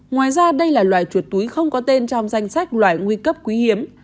ngoài ra đây là loài chuột túi không có tên trong danh sách loài nguy cấp quý hiếm